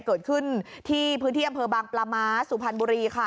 เกิดขึ้นที่พื้นที่อำเภอบางปลาม้าสุพรรณบุรีค่ะ